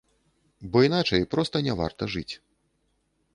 Бо іначай проста не варта жыць.